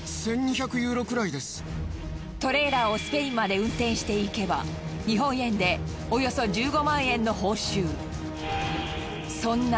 トレーラーをスペインまで運転していけば日本円でおよそ１５万円の報酬。